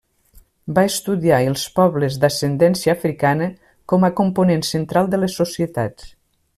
Va estudiar els pobles d'ascendència africana com a component central de les societats.